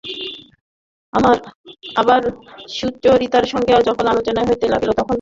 আবার সুচরিতার সঙ্গে যখন আলোচনা হইতে লাগিল তখনো সে উলটা পক্ষের যুক্তি প্রয়োগ করিল।